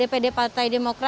dpd partai demokrat se indonesia